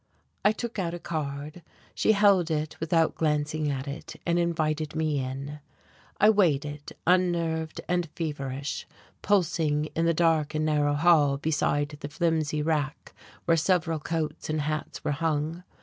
I took out a card. She held it without glancing at it, and invited me in. I waited, unnerved and feverish, pulsing, in the dark and narrow hall beside the flimsy rack where several coats and hats were hung.